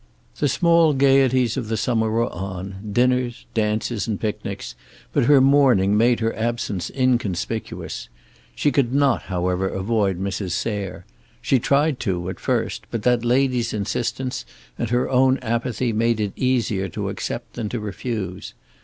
The small gaieties of the summer were on, dinners, dances and picnics, but her mourning made her absence inconspicuous. She could not, however, avoid Mrs. Sayre. She tried to, at first, but that lady's insistence and her own apathy made it easier to accept than to refuse.